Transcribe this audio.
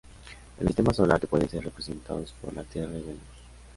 En el sistema solar que pueden ser representados por la Tierra y Venus.